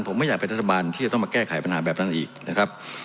ผมไม่อยากเป็นรัฐบาลที่จะต้องมาแก้ไขปัญหาแบบนั้นอีกนะครับ